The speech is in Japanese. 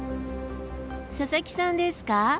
佐々木さんですか？